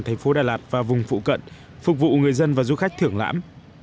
thành phố đà lạt và vùng phụ cận phục vụ người dân và du khách thưởng lãm